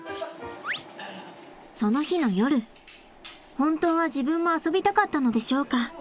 本当は自分も遊びたかったのでしょうか？